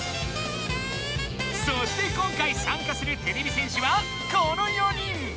そして今回さんかするてれび戦士はこの４人！わ。